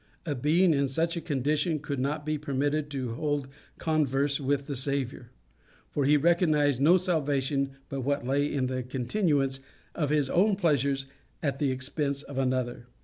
A being in such a condition could not be permitted to hold converse with the Saviour; for he recognized no salvation but what lay in the continuance of his own pleasures at the expense of another.